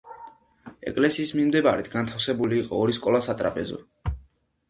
ეკლესიის მიმდებარედ განთავსებული იყო ორი სკოლა, სატრაპეზო.